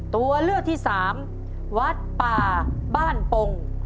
ตัวเลือกที่สามวัดป่าบ้านปง